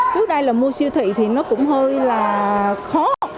trước đây là mua siêu thị thì nó cũng hơi là khó